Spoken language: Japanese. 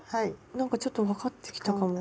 なんかちょっと分かってきたかも。